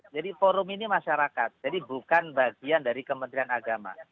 jadi forum ini masyarakat jadi bukan bagian dari kementerian agama